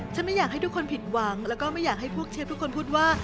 ไม่อยากให้ทุกคนผิดหวังแล้วก็ไม่อยากให้พวกเชฟทุกคนพูดว่า